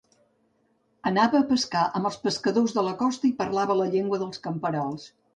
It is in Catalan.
Anava a pescar amb els pescadors de la costa i parlava la llengua dels camperols.